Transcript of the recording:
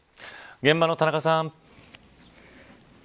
現場の田中さん。